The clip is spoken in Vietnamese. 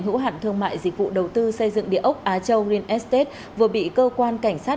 hữu hẳn thương mại dịch vụ đầu tư xây dựng địa ốc á châu green estate vừa bị cơ quan cảnh sát